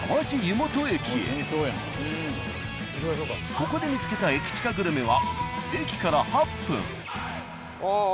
ここで見つけた駅チカグルメは駅から８分。